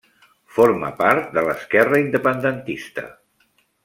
Forma part de l'Esquerra Independentista.